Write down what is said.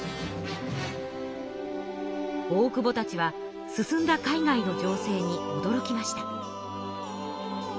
大久保たちは進んだ海外の情勢におどろきました。